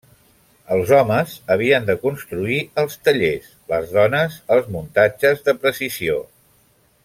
Els homes havien de construir els tallers, les dones els muntatges de precisió.